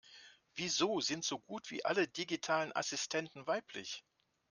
Wieso sind so gut wie alle digitalen Assistenten weiblich?